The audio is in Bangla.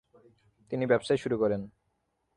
তিনি ব্যবসায় শুরু করেন।